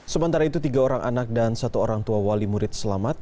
sementara itu tiga orang anak dan satu orang tua wali murid selamat